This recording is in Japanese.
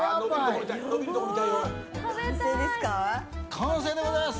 完成でございます！